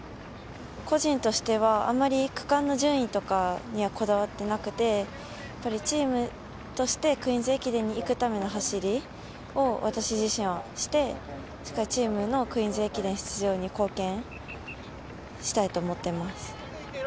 個人としてはあまり区間の順位とかにはこだわってなくて、チームとして「クイーンズ駅伝」に行くための走りを私自身して、チームの「クイーンズ駅伝」出場に貢献したいと思ってます。